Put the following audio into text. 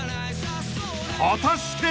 ［果たして］